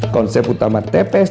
konsep utama tps tiga r